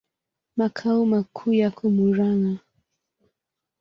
Makao makuu yako Murang'a.